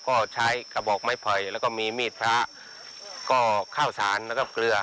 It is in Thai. ก็ใช้กระบอกไม้ไผ่แล้วก็มีมีดพระก็ข้าวสารแล้วก็เกลือ